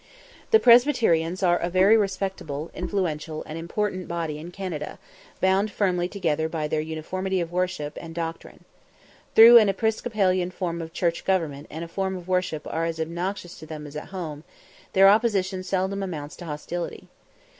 The Presbyterians are a very respectable, influential, and important body in Canada, bound firmly together by their uniformity of worship and doctrine. Though an Episcopalian form of church government and a form of worship are as obnoxious to them as at home, their opposition seldom amounts to hostility.